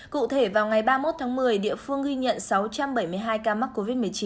cụ thể vào ngày ba mươi một tháng một mươi địa phương ghi nhận sáu trăm bảy mươi hai ca mắc covid một mươi chín